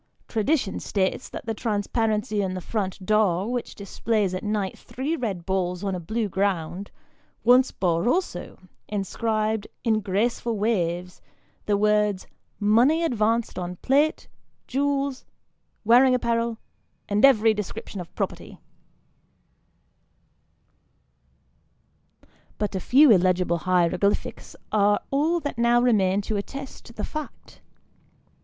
Tradition states that the transparency in the front door, which displays at night three red balls on a blue ground, once bore also, inscribed in graceful waves, the words " Money advanced on plate, jewels, wearing apparel, and every description ot property," but a few illegible hieroglyphics are all that now remain to attest the fact.